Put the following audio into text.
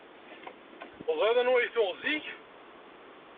Teẓriḍ anwa i t-tuɣ zik?